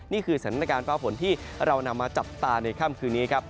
นี่คือสถานการณ์ฟ้าฝนที่เรานำมาจับตาในค่ำคืนนี้ครับ